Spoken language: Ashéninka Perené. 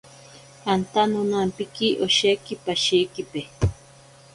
Anta nonampiki osheki pashikipe.